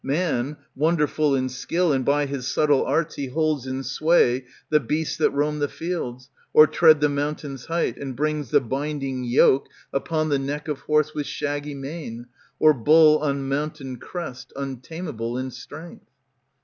Man, wonderful in skill. And by his subtle arts He holds in sway the beasts That roam the fields, or tread the mountain's height ; And brings the binding yoke Upon the neck of horse with shaggy mane, Or bull on mountain crest, Untameable in strength.